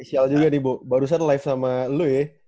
esial juga nih bu barusan live sama lu ya